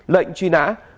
lệnh truy nã